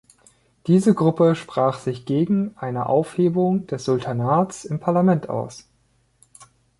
Diese Gruppe sprach sich gegen eine Aufhebung des Sultanats im Parlament aus.